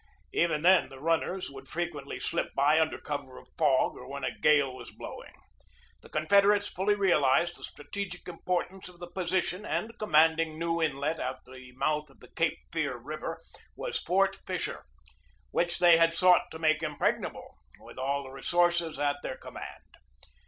Even then the runners would frequently slip by under cover of fog or when a gale was blow ing. The Confederates fully realized the strategic importance of the position, and commanding New Inlet, at the mouth of the Cape Fear River, was Fort Fisher, which they had sought to make impregnable with all the resources at their command.